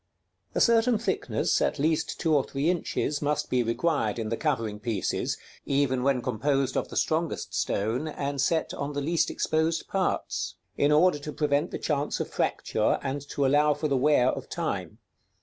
_ A certain thickness, at least two or three inches, must be required in the covering pieces (even when composed of the strongest stone, and set on the least exposed parts), in order to prevent the chance of fracture, and to allow for the wear of time.